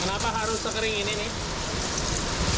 kenapa harus sekering ini nih